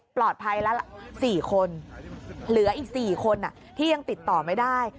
ปลอดภัยละ๔คนเหลืออีก๔คนที่ยังติดต่อไม่ได้